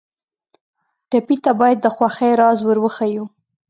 ټپي ته باید د خوښۍ راز ور وښیو.